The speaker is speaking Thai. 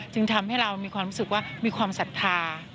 จึงทำให้เรามีความรู้สึกว่ามีความศรัทธา